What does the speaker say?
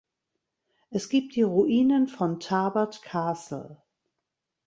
Es gibt die Ruinen von Tarbert Castle.